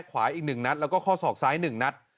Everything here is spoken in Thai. ขวาอีก๑นัดแล้วก็ข้อศอกซ้าย๑นัด